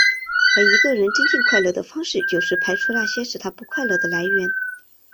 而一个人增进快乐的方式就是排除那些使他不快乐的来源。